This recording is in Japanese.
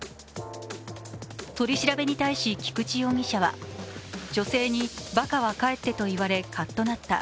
取り調べに対し菊池容疑者は、女性にばかは帰ってと言われ、かっとなった。